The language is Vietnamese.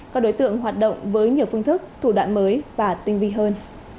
các đối tượng hoạt động với nhiều phương thức thủ đoạn mới và tinh vi hơn